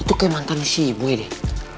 itu kayak mantan si ibu ya deh